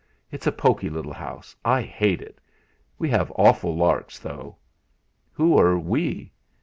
It's a poky little house. I hate it. We have awful larks, though." "Who are we?"